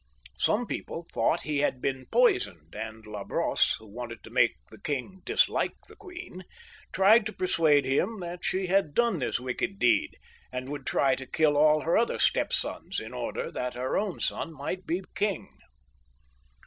Some people thought he had been poisoned ; and La Brosse, who wanted to make the king dislike the queen, tried to persuade him that she had done this wicked deed, and would try to kill all her other stepsons in order that her own spn might be king.